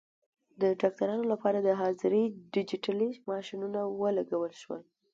د ډاکټرانو لپاره د حاضرۍ ډیجیټلي ماشینونه ولګول شول.